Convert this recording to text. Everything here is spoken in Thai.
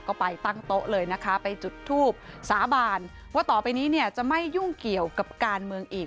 ก็ไปตั้งโต๊ะเลยนะคะไปจุดทูบสาบานว่าต่อไปนี้เนี่ยจะไม่ยุ่งเกี่ยวกับการเมืองอีก